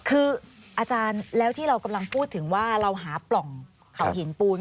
คืออาจารย์แล้วที่เรากำลังพูดถึงว่าเราหาปล่องเขาหินปูน